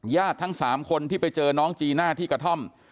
ทั้ง๓คนที่ไปเจอน้องจีน่าที่กระท่อม